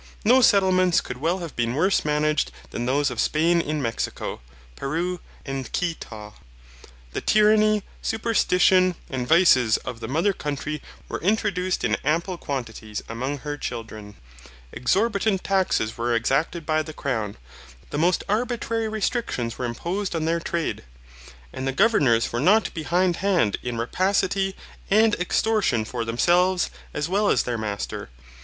No settlements could well have been worse managed than those of Spain in Mexico, Peru, and Quito. The tyranny, superstition, and vices of the mother country were introduced in ample quantities among her children. Exorbitant taxes were exacted by the Crown. The most arbitrary restrictions were imposed on their trade. And the governors were not behind hand in rapacity and extortion for themselves as well as their master.